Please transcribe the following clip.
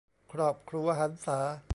ครอบครัวหรรษา